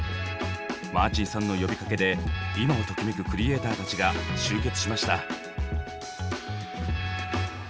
マーチンさんの呼びかけで今をときめくクリエーターたちが集結しました。